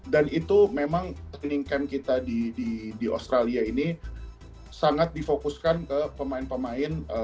dan itu memang training camp kita di australia ini sangat difokuskan ke pemain pemain